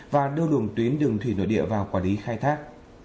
và đưa luồng tuyến đường thủy nội địa vào quản lý khai thác